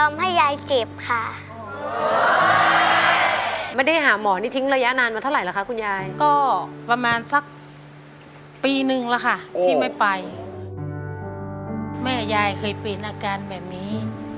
ปีหนึ่งแล้วค่ะที่ไม่ไปแม่ยายเคยเปลี่ยนอาการแบบนี้